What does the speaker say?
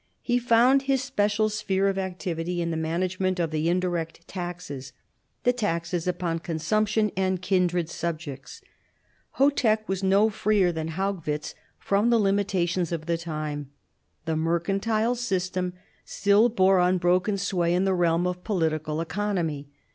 He found his special sphere of activity in the management of the indirect taxes, the to* xes upon consumption and kindred subjects. Chotek was n0 freer than Haugwitz from the limitations of the time; ti, e mercantile system still bore unbroken sway in the reuj m f political economy.